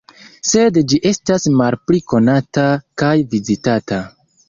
Sed ĝi estas malpli konata kaj vizitata.